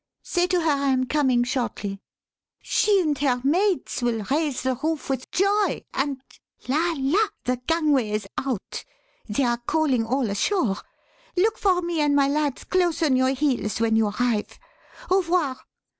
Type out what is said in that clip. Say to her I am coming shortly. She and her mates will raise the roof with joy, and la! la! The gangway is out. They are calling all ashore. Look for me and my lads close on your heels when you arrive. Au revoir."